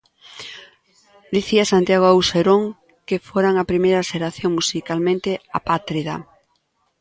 Dicía Santiago Auserón que foran a primeira xeración musicalmente apátrida.